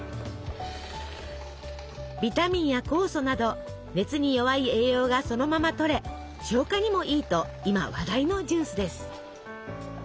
ビタミンや酵素など熱に弱い栄養がそのまま取れ消化にもいいと今話題のジュースです。